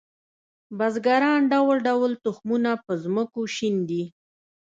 بزګران ډول ډول تخمونه په ځمکو شیندي